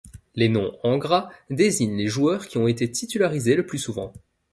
Les noms en gras désignent les joueurs qui ont été titularisés le plus souvent.